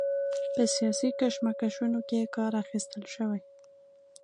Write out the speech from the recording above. په سیاسي کشمکشونو کې کار اخیستل شوی.